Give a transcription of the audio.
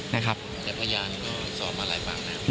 และพยานก็สอบมาหลายฝั่งนะครับ